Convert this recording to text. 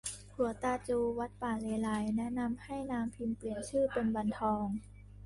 ขรัวตาจู วัดป่าเลไลย แนะนำให้นางพิมเปลี่ยนชื่อเป็นวันทอง